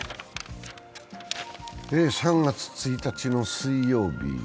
３月１日の水曜日。